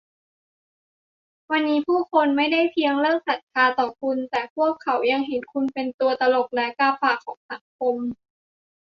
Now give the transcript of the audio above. วันนี้ผู้คนไม่ได้เพียงเลิกศรัทธาต่อคุณ แต่พวกเขายังเห็นคุณเป็นตัวตลกและกาฝากของสังคม